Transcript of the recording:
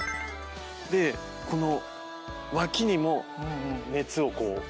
この脇にも熱をこう。